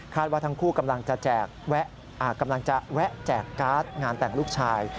คาดว่าทั้งคู่กำลังจะแจกแก๊สงานแต่งลูกชาย